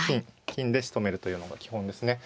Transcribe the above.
金でしとめるというのが基本ですね。